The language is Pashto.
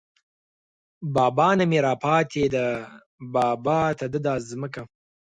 بابا نه مې راپاتې ده بابا ته ده دا ځمکه